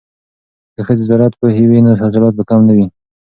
که ښځې زراعت پوهې وي نو حاصلات به کم نه وي.